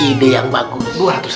ide yang bagus